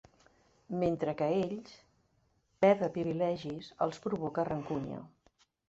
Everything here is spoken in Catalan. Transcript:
Mentre que a ells, perdre privilegis els provoca rancúnia.